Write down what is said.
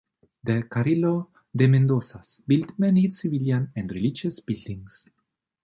The Carrillo de Mendozas built many civilian and religious buildings.